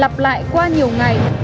lặp lại qua nhiều ngày